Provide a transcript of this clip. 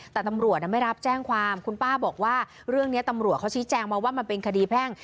แต่ตำรวจไม่รับแจ้งความคุณป้าบอกว่าเรื่องนี้ตำรวจเขาชี้แจงมาว่ามันเป็นคดีแพ่ง